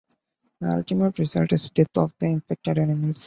The ultimate result is death of the infected animals.